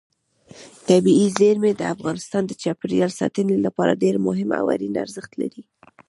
طبیعي زیرمې د افغانستان د چاپیریال ساتنې لپاره ډېر مهم او اړین ارزښت لري.